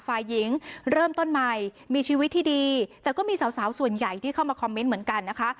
ฝ่ายหญิงเริ่มต้นใหม่มีชีวิตที่ดีแต่ก็มีสาวสาวส่วนใหญ่ที่เข้ามาคอมเมนต์เหมือนกันนะคะ